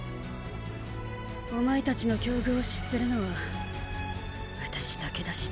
お前たちの境遇を知ってるのは私だけだしな。